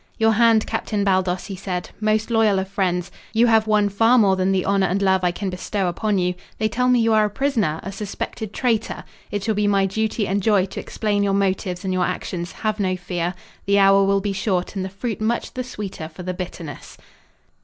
"Your hand, Captain Baldos," he said. "Most loyal of friends. You have won far more than the honor and love I can bestow upon you. They tell me you are a prisoner, a suspected traitor. It shall be my duty and joy to explain your motives and your actions. Have no fear. The hour will be short and the fruit much the sweeter for the bitterness."